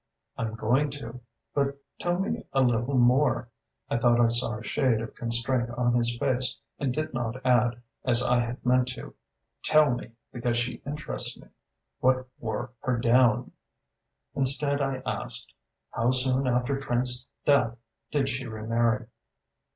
"I'm going to. But tell me a little more." I thought I saw a shade of constraint on his face, and did not add, as I had meant to: "Tell me because she interests me what wore her down?" Instead, I asked: "How soon after Trant's death did she remarry?"